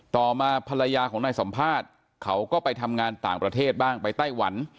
ต่อมาภรรยาของนายสัมภาษณ์เขาก็ไปทำงานต่างประเทศบ้างไปไต้หวัน